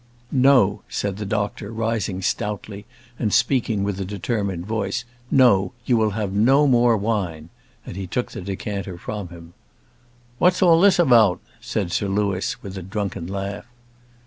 "No," said the doctor, rising stoutly, and speaking with a determined voice. "No; you will have no more wine:" and he took the decanter from him. "What's all this about?" said Sir Louis, with a drunken laugh.